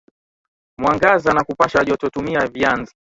mwangaza na kupasha jototumia vyanz